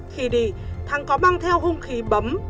khi đi thắng có mang theo hung khí bấm